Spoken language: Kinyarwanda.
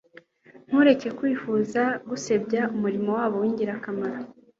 Ntureke Kwifuza gusebanya umurimo wabo w'ingirakamaro,